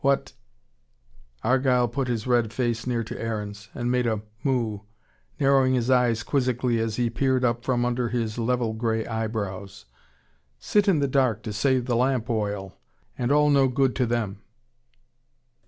What " Argyle put his red face near to Aaron's, and made a moue, narrowing his eyes quizzically as he peered up from under his level grey eyebrows. "Sit in the dark to save the lamp oil And all no good to them.